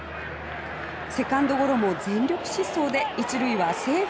セカンドゴロも全力疾走で１塁はセーフ。